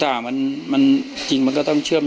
ถ้าใครอยากรู้ว่าลุงพลมีโปรแกรมทำอะไรที่ไหนยังไง